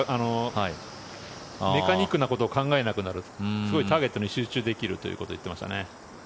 メカニックなことを考えなくなるすごいターゲットに集中できると言っていましたね。